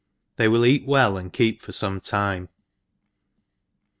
— They will eat well, and keep for feme time.